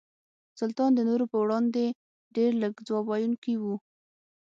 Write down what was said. سلطان د نورو په وړاندې ډېر لږ ځواب ویونکي وو.